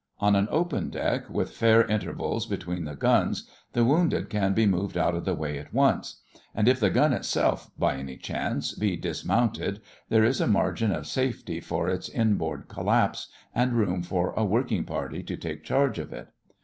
On an open deck, with fair intervals between the guns, the wounded can be moved out of the way at once; and if the gun itself, by any chance, be dismounted, there is a margin of safety for its inboard collapse, and room for a working party to take charge of it.